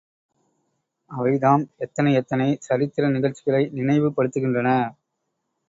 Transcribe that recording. அவைதாம் எத்தனையெத்தனை சரித்திர நிகழ்ச்சிகளை நினைவுபடுத்துகின்றன.